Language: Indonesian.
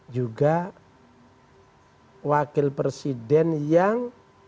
juga wakil presiden yang